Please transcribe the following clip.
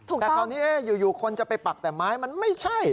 แต่คราวนี้อยู่คนจะไปปักแต่ไม้มันไม่ใช่